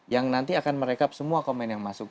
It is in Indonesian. yang nanti akan merekap semua komen yang masuk